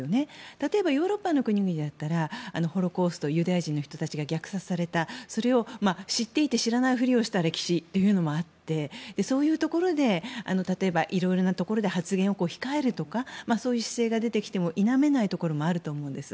例えばヨーロッパの国々であったらホロコーストユダヤ人の人たちが虐殺されたそれを知っていて知らないふりをした歴史というのもあってそういうところで例えばいろいろなところで発言を控えるとかそういう姿勢が出てきても否めないところもあると思うんです。